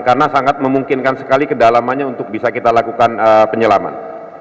karena sangat memungkinkan sekali kedalamannya untuk bisa kita lakukan penyelaman